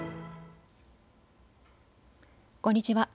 こんにちは。